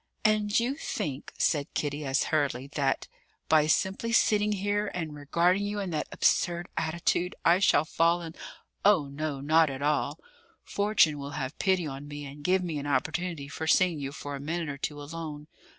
"And you think," said Kitty, as hurriedly, "that, by simply sitting here and regarding you in that absurd attitude, I shall fall in ?" "Oh, no; not at all. Fortune will have pity on me and give me an opportunity for seeing you for a minute or two alone.